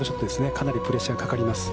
かなりプレッシャーがかかります。